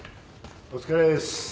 お疲れっす。